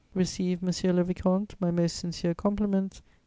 "Receive, monsieur le vicomte, my most sincere compliments.